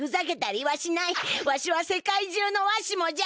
わしは世界中のわしもじゃ！